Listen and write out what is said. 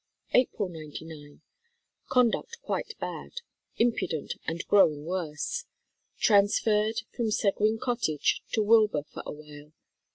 April, '99. Conduct quite bad impudent and growing worse. Transferred from Seguin Cottage to Wilbur for a while.